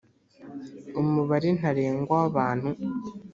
umubare ntarengwa wa bantu